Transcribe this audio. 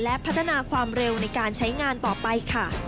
และพัฒนาความเร็วในการใช้งานต่อไปค่ะ